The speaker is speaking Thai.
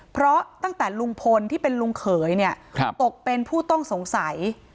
เพราะตั้งแต่ลุงพลที่เป็นลุงเขยเนี่ยตกเป็นผู้ต้องสงสัย